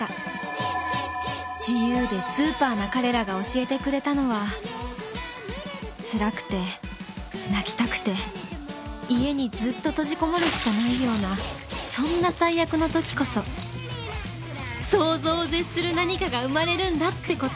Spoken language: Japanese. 自由でスーパーな彼らが教えてくれたのはつらくて泣きたくて家にずっと閉じこもるしかないようなそんな最悪の時こそ想像を絶する何かが生まれるんだって事